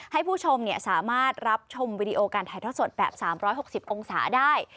ให้ผู้ชมสามารถรับชมวิดีโอการถ่ายทอดสดแบบ๓๖๐องศาได้